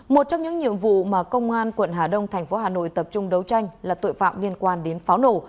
một trong những nhiệm vụ mà công an tp hà nội tập trung đấu tranh là tội phạm liên quan đến pháo nổ